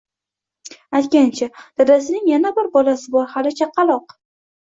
Aytgancha, dadasining yana bir bolasi bor hali chaqaloq